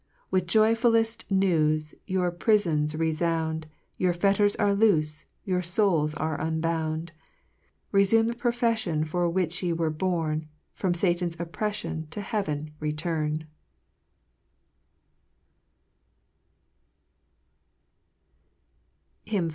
4 With joyfullefi news Your prifons refound, Your fetters are loole, Your fouls are unbound : Reiume the poffefSon For which ye were born, From Satan's opprelfion To heaven return.